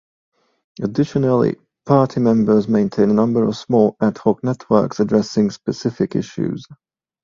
Additionally, party members maintain a number of small "ad hoc" "networks" addressing specific issues.